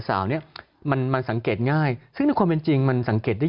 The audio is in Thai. สาวเนี้ยมันมันสังเกตง่ายซึ่งในความเป็นจริงมันสังเกตได้